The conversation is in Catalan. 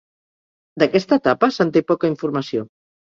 D'aquesta etapa se'n té poca Informació.